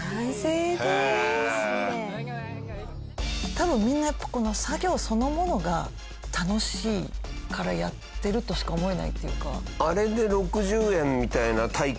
多分みんなやっぱ作業そのものが楽しいからやってるとしか思えないっていうか。